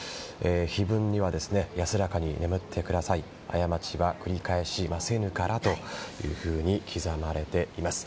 碑文には安らかに眠って下さい過ちは繰り返しませぬからというふうに刻まれています。